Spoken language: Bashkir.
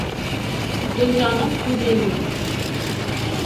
Донъяның күҙе юҡ.